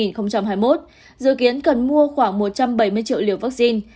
trong năm hai nghìn hai mươi một dự kiến cần mua khoảng một trăm bảy mươi triệu liều vaccine